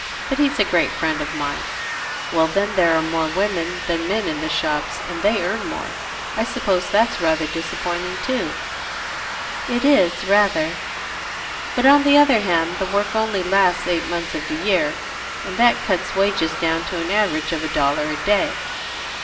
But he's a great friend of mine. Well, then, there are more women than men in the shops, and they earn more. I suppose that's rather disappointing too." "It is, rather." "But, on the other hand, the work only lasts eight months of the year, and that cuts wages down to an average of a dollar a day."